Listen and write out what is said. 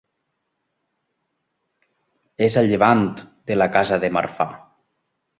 És a llevant de la casa de Marfà.